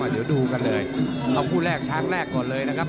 เดี๋ยวดูกันเลยเอาคู่แรกช้างแรกก่อนเลยนะครับ